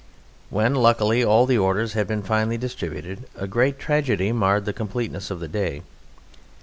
When (luckily) all the orders had been finally distributed a great tragedy marred the completeness of the day.